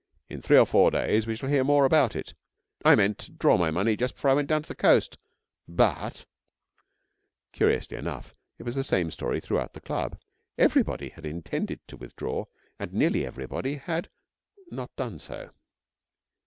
In three or four days we shall hear more about it. I meant to draw my money just before I went down coast, but ' Curiously enough, it was the same story throughout the Club. Everybody had intended to withdraw, and nearly everybody had not done so.